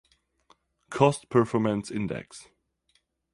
Cost performance index.